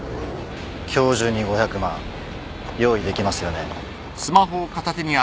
今日中に５００万用意できますよね？